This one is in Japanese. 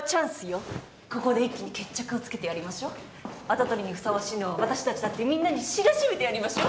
跡取りにふさわしいのは私たちだってみんなに知らしめてやりましょ。